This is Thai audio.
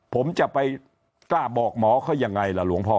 ผมจะไปกล้าบอกหมอเขายังไงล่ะหลวงพ่อ